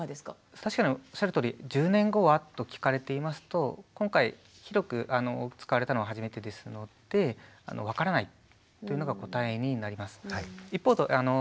確かにおっしゃるとおり１０年後は？と聞かれますと今回広く使われたのは初めてですので分からないというのが答えになります。